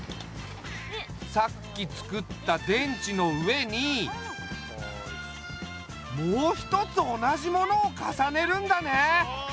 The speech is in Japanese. さっきつくった電池の上にもう一つ同じものを重ねるんだね。